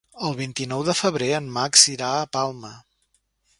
El vint-i-nou de febrer en Max irà a Palma.